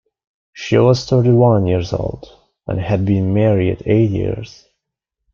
She was thirty-one years old, and had been married eight years.